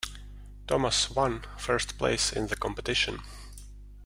Thomas one first place in the competition.